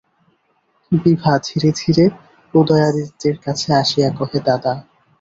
বিভা ধীরে ধীরে উদয়াদিত্যের কাছে আসিয়া কহে, দাদা।